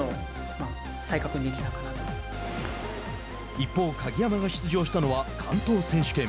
一方、鍵山が出場したのは関東選手権。